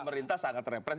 pemerintah sangat repres